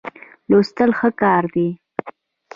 لوستل ښه کار دی.